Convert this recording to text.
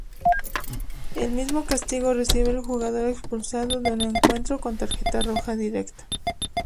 El mismo castigo recibe el jugador expulsado de un encuentro con tarjeta roja directa.